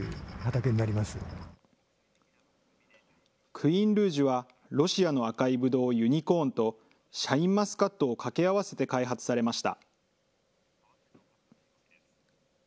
クイーンルージュはロシアの赤いブドウ、ユニコーンとシャインマスカットを掛け合わせて開発されました。